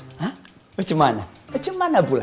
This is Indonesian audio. eh bacemana bacemana pula